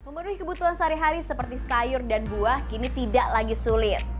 memenuhi kebutuhan sehari hari seperti sayur dan buah kini tidak lagi sulit